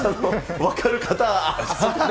分かる方は。